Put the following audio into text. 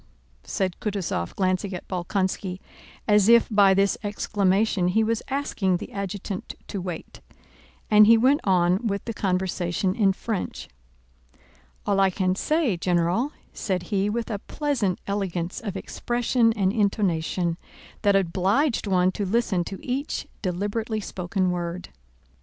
said Kutúzov glancing at Bolkónski as if by this exclamation he was asking the adjutant to wait, and he went on with the conversation in French. "All I can say, General," said he with a pleasant elegance of expression and intonation that obliged one to listen to each deliberately spoken word.